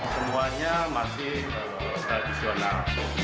semuanya masih tradisional